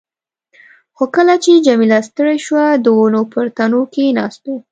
خو کله چې جميله ستړې شوه، د ونو پر تنو کښېناستو.